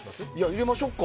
入れましょうか。